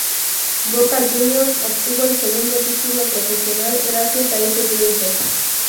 Boca Juniors obtuvo su segundo título profesional gracias a ese triunfo.